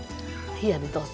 冷やでどうぞ。